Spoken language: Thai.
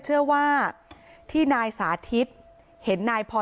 ชั่วโมงตอนพบศพ